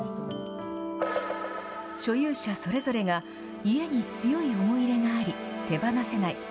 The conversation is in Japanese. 所有者それぞれが家に強い思い入れがあり手放せない。